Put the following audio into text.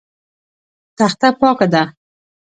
تخته پاکه ده.